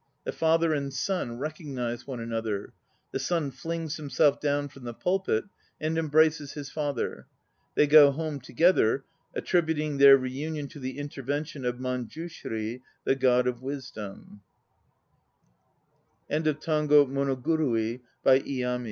The father and son recognize one another. The son flings him self down from the pulpit and embraces his father. They go home together, attributing their reunion to the intervention of Manjushri, the